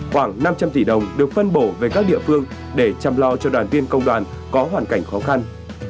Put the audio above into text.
khoảng năm trăm linh tỷ đồng được phân bổ về các địa phương để chăm lo cho đoàn viên công đoàn có hoàn cảnh khó khăn